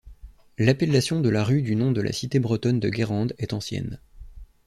L'appellation de la rue du nom de la cité bretonne de Guérande est ancienne.